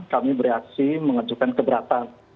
kami bereaksi mengejukan keberatan